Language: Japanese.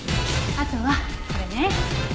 あとはこれね。